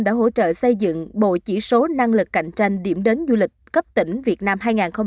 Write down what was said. đã hỗ trợ xây dựng bộ chỉ số năng lực cạnh tranh điểm đến du lịch cấp tỉnh việt nam hai nghìn hai mươi